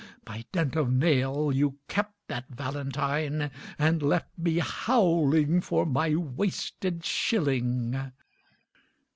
By dint of nail you kept that valentine, And left me howling for my wasted shilling.